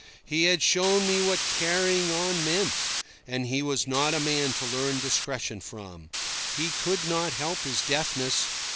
He had shown me what carrying on meant, but he was not a man to learn discretion from. He could not help his deafness.